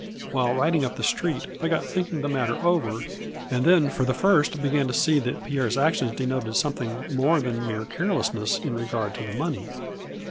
" While riding up the street I got thinking the matter over and then for the first began to see that Pierre's actions denoted something more than mere carelessness in regard to the money.